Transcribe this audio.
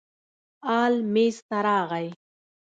ال میز ته راغی.